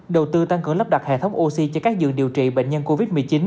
đầu tư tăng cường lắp đặt hệ thống oxy cho các giường điều trị bệnh nhân covid một mươi chín